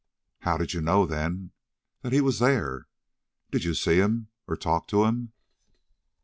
"How did you know, then, that he was there? Did you see him or talk to him?"